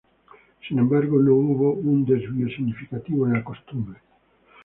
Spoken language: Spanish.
Sin embargo, no hubo un desvío significativo en la costumbre.